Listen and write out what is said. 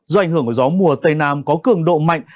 do ảnh hưởng của gió mùa tây nam có cường độ mạnh